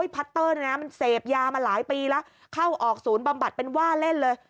พัตเตอร์เนี่ยนะมันเสพยามาหลายปีแล้วเข้าออกศูนย์บำบัดเป็นว่าเล่นเลย